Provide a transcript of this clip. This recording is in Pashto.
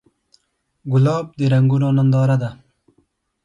ګلاب د رنګونو ننداره ده.